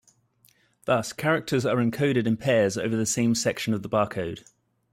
Thus characters are encoded in pairs over the same section of the barcode.